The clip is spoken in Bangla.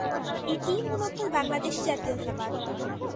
এটিই মুলত বাংলাদেশী জাতীয়তাবাদ।